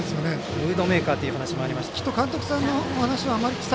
ムードメーカーというお話もありました。